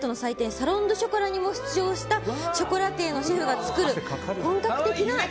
サロン・デュ・ショコラにも出場したショコラティエのシェフが作る本格的な。